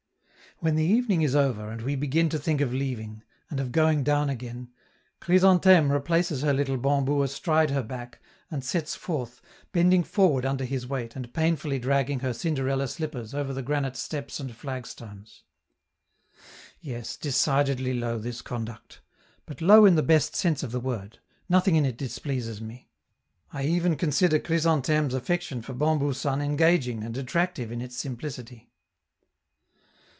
When the evening is over, and we begin to think of leaving, and of going down again, Chrysantheme replaces her little Bambou astride upon her back, and sets forth, bending forward under his weight and painfully dragging her Cinderella slippers over the granite steps and flagstones. Yes, decidedly low, this conduct! but low in the best sense of the word: nothing in it displeases me; I even consider Chrysantheme's affection for Bambou San engaging and attractive in its simplicity.